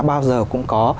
bao giờ cũng có